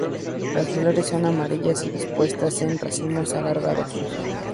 Las flores son amarillas y dispuestas en racimos alargados.